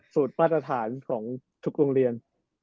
ทุกโรงเรียน